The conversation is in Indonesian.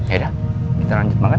yaudah kita lanjut makan